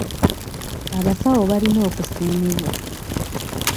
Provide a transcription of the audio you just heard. Abasawo balina okusiimibwa.